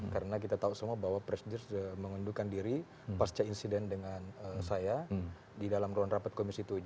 karena kita tahu semua bahwa presiden sudah mengundurkan diri pasca insiden dengan saya di dalam ruang rapat komisi tujuh